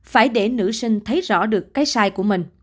phải để nữ sinh thấy rõ được